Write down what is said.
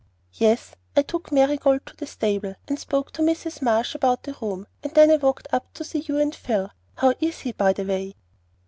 "Yes. I took Marigold to the stable, and spoke to Mrs. Marsh about a room, and then I walked up to see you and Phil. How is he, by the way?"